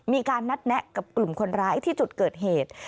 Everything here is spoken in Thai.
มีการนัดแนะกับกลุ่มคนร้ายที่จุดเกิดเหตุ